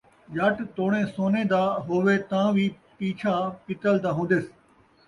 ڄٹ توݨے سونے دا ہووے تاں وی پیچھا پتل دا ہون٘دِس